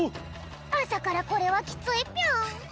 あさからこれはきついぴょん。